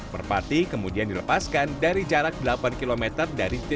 merpati kemudian dilepaskan dari jarak delapan km dari titik